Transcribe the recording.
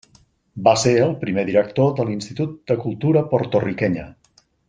Va ser el primer director de l'Institut de Cultura Porto-riquenya.